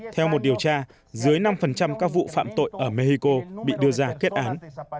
theo một điều tra dưới năm các vụ phạm tội ở mexico bị đưa ra kết án